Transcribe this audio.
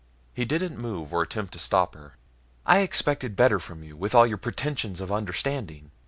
He didn't move or attempt to stop her. "I expected better from you, with all your pretensions of understanding.